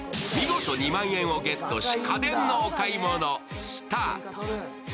見事、２万円をゲットし家電のお買い物スタート。